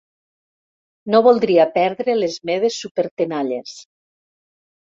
No voldria perdre les meves súpertenalles.